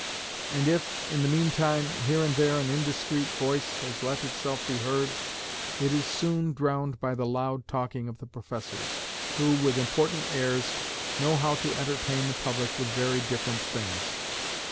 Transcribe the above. And if, in the meantime, here and there an indiscreet voice has let itself be heard, it is soon drowned by the loud talking of the professors, who, with important airs, know how to entertain the public with very different things.